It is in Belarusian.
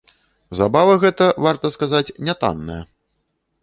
Забава гэта, варта сказаць, не танная.